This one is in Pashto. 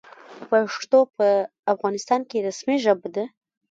پښتو په افغانستان کې رسمي ژبه ده.